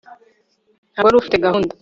ntabwo wari ufite gahunda